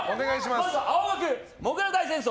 まずは青学、もぐら大戦争。